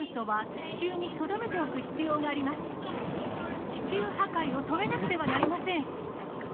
地球破壊を止めなくてはなりません！